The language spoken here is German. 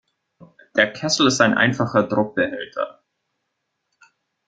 Der Kessel ist ein einfacher Druckbehälter.